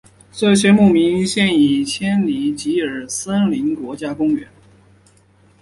这些牧民现已迁离吉尔森林国家公园。